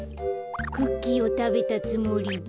クッキーをたべたつもりで。